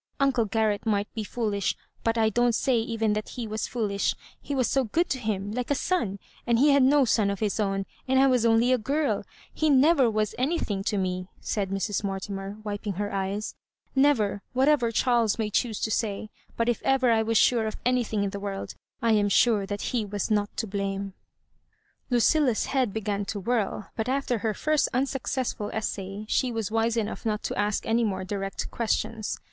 Uncle Garrett might be foolish, but I don't say even that he was foolish : he was so good to him, like a son ; and he bad no son of his own, and I was only a girL He never was anything to me," said Mrs. Mortimer, wiping her eyes — "never, whatever Cliarles may choose to say ; but if ever I was sure of anything in the world, I am sure that he was not to blame." Lucilla*s head began to whirl ; but after her first unsuccessful essay, she was wise enough not to ask any more direct questions.